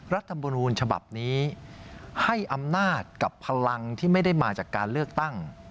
รัฐมนูลฉบับนี้ให้อำนาจกับพลังที่ไม่ได้มาจากการเลือกตั้ง